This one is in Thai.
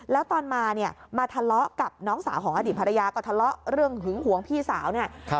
แล้วตอนมาเนี่ยมาทะเลาะกับน้องสาวของอดีตภรรยาก็ทะเลาะเรื่องหึงหวงพี่สาวเนี่ย